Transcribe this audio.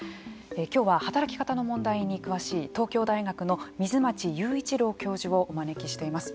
今日は働き方の問題に詳しい東京大学の水町勇一郎教授をお招きしています。